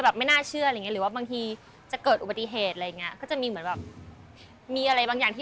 อะไรที่มันไม่น่าจะเป็นไปได้